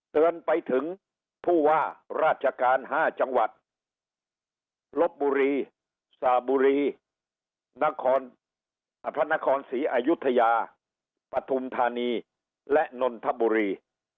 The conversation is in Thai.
เตือนไปถึงผู้ว่าราชการ๕จังหวัดลบบุรีสระบุรีพระนครศรีอายุทยาปฐุมธานีและนนทบุรี